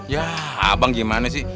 yah abang gimana sih